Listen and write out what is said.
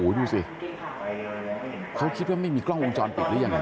ดูสิเขาคิดว่าไม่มีกล้องวงจรปิดหรือยังไง